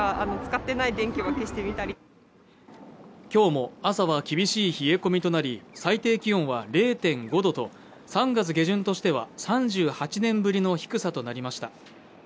今日も朝は厳しい冷え込みとなり最低気温は０．５度と３月下旬としては３８年ぶりの低さとなりました